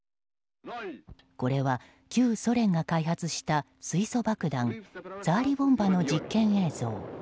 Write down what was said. これは旧ソ連が開発した水素爆弾ツァーリ・ボンバの実験映像。